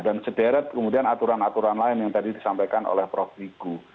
dan sederet kemudian aturan aturan lain yang tadi disampaikan oleh prof igu